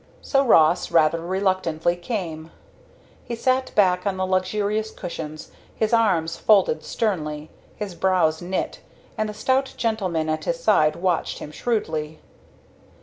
So Ross rather reluctantly came. He sat back on the luxurious cushions, his arms folded sternly, his brows knit, and the stout gentleman at his side watched him shrewdly.